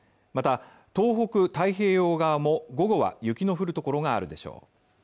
また、東北太平洋側も午後は雪の降るところがあるでしょう。